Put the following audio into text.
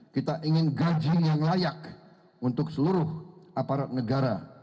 kita ingin gaji yang layak untuk seluruh aparat negara